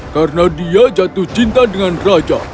karena dia jatuh cinta dengan raja